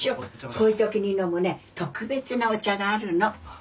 こういう時に飲むね特別なお茶があるの。